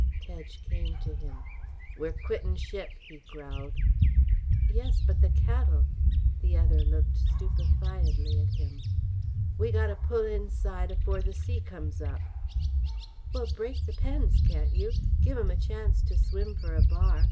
Tedge came to him. "We're quittin' ship," he growled. "Yes, but the cattle " The other looked stupefiedly at him. "We got to pull inside afore the sea comes up " "Well, break the pens, can't you? Give 'em a chance to swim for a bar.